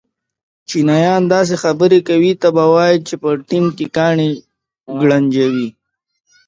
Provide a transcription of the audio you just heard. چینایان داسې خبرې کوي ته به وایې چې په ټېم کې کاڼي گړنجوې.